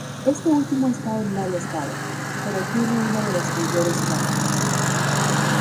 Este último está en mal estado, pero tiene una de las mayores cámaras.